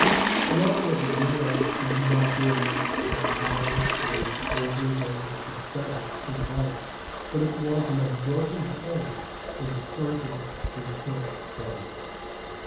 The level of the ground is now varied by the mound raised over those who fell in the battle, but it was an unbroken plain when the Persians encamped on it.